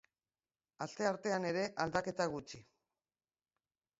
Asteartean, ere aldaketa gutxi.